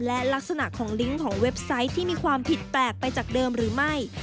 และลักษณะของลิงก์ของเว็บไซต์ที่มีความผิดแปลกไปจากเดิมหรือไม่